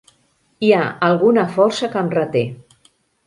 Hi ha alguna força que em reté.